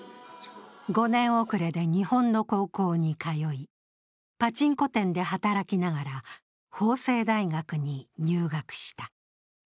５年遅れで日本の高校に通い、パチンコ店で働きながら法政大学に入学した。